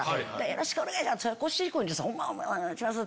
よろしくお願いします！